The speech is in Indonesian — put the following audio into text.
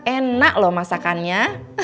enak loh masakannya